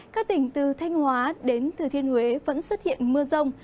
các tỉnh từ thanh hóa đến thừa thiên huế vẫn xuất hiện mưa rông